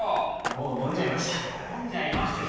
もう飲んじゃいました